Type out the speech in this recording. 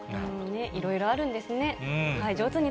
いろいろあるんですね。